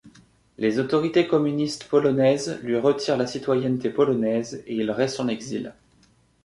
Les autorités communistes polonaises lui retirent la citoyenneté polonaise et il reste en exil.